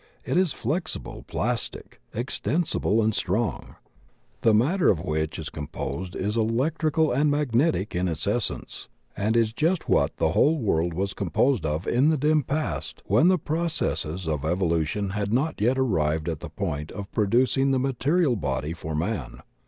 It is flexible, plastic, extensible, and strong. The matter of which it is composed is electrical and magnetic in its essence, and is just what the whole world was com posed of in the dim past when the processes of evolu tion had not yet arrived at the point of producing the material body for man.